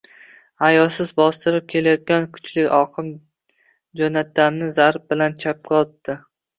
Ayovsiz bostirib kelayotgan kuchli oqim Jonatanni zarb bilan chapga otdi